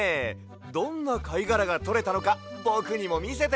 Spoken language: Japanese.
どんなかいがらがとれたのかぼくにもみせて！